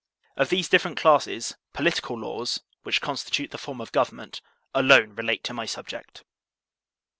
Of these different classes, political laws, which consti tute the form of government, alone relate to my subject.